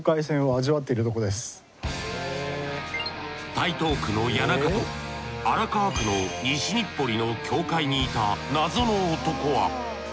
台東区の谷中と荒川区の西日暮里の境界にいた謎の男は。